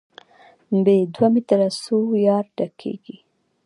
ب: دوه متره څو یارډه کېږي؟